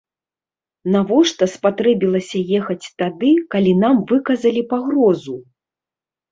Навошта спатрэбілася ехаць тады, калі нам выказалі пагрозу?